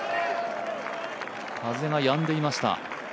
風がやんでいました。